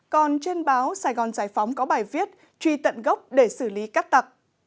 còn trên báo sài gòn giải phóng có bài viết truy tận gốc để xử lý cắt tặc